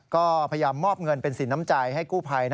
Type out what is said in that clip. ก็พยายามมอบเงินเป็นสินน้ำใจให้กู้ภัย